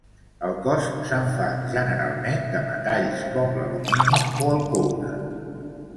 El cos se'n fa, generalment, de metalls com l'alumini o el coure.